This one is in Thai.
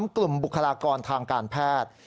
กลุ่มบุคลากรทางการแพทย์